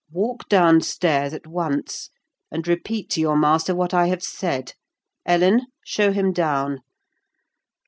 "Walk down stairs at once, and repeat to your master what I have said. Ellen, show him down.